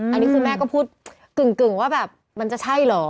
อันนี้คือแม่ก็พูดกึ่งว่าแบบมันจะใช่เหรอ